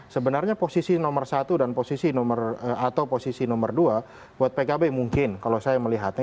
sebenarnya posisi nomor satu dan posisi nomor atau posisi nomor dua buat pkb mungkin kalau saya melihatnya